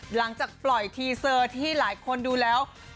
หลังจากปล่อยทีเซอร์ที่หลายคนดูแล้ว